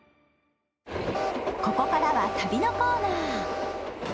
ここからは旅のコーナー。